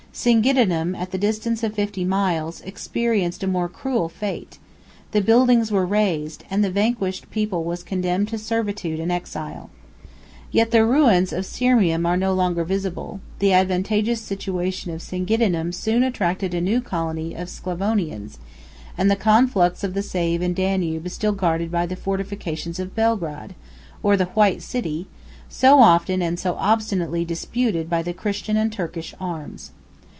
Singidunum, at the distance of fifty miles, experienced a more cruel fate: the buildings were razed, and the vanquished people was condemned to servitude and exile. Yet the ruins of Sirmium are no longer visible; the advantageous situation of Singidunum soon attracted a new colony of Sclavonians, and the conflux of the Save and Danube is still guarded by the fortifications of Belgrade, or the White City, so often and so obstinately disputed by the Christian and Turkish arms.